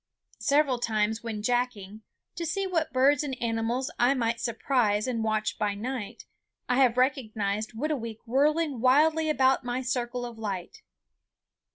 Several times when jacking, to see what birds and animals I might surprise and watch by night, I have recognized Whitooweek whirling wildly about my circle of light.